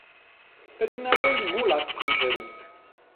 Pe dumnealui nu l-ați fi întrerupt.